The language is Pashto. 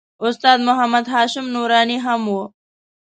استاد محمد هاشم نوراني هم و.